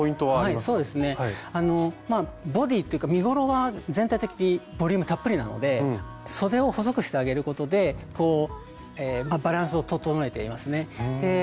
はいそうですねボディーというか身ごろは全体的にボリュームたっぷりなのでそでを細くしてあげることでバランスを整えていますね。